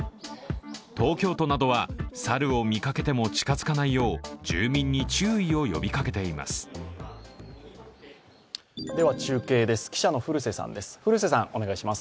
東京都などは猿を見かけても近づかないよう住民に注意を呼びかけています。